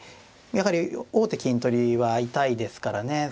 やはり王手金取りは痛いですからね。